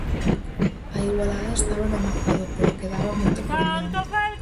A igualada estaba no marcador, pero quedaba moito por diante.